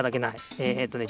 えっとね